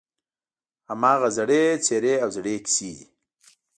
هماغه زړې څېرې او زړې کیسې دي.